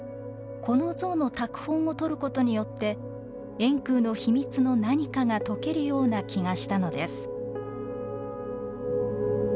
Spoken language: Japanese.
この像の拓本を取ることによって円空の秘密の何かが解けるような気がしたのです。